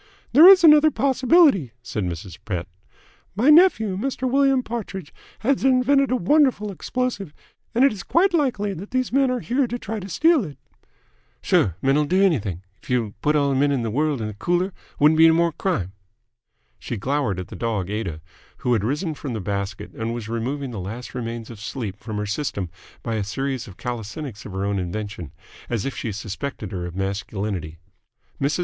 "There is another possibility," said Mrs. Pett. "My nephew, Mr. William Partridge, had invented a wonderful explosive, and it is quite likely that these men are here to try to steal it." "Sure. Men'll do anything. If y' put all the men in th' world in th' cooler, wouldn't be 'ny more crime." She glowered at the dog Aida, who had risen from the basket and removing the last remains of sleep from her system by a series of calisthenics of her own invention, as if she suspected her of masculinity. Mrs.